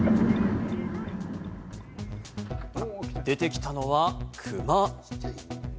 出てきたのは、クマ。